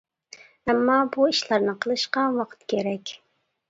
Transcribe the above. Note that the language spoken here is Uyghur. ئەمما بۇ ئىشلارنى قىلىشقا ۋاقىت كېرەك.